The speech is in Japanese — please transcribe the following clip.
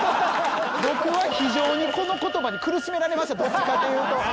僕は非常にこの言葉に苦しめられましたどっちかというと。